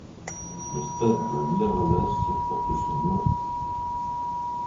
Le stade de Miramas porte son nom.